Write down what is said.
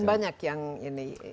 dan banyak yang mengapainya itu